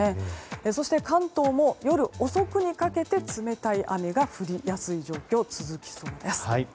そして、関東も夜遅くにかけて冷たい雨が降りやすい状況が続きそうです。